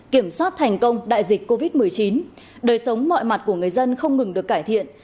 kiểm soát thành công đại dịch covid một mươi chín đời sống mọi mặt của người dân không ngừng được cải thiện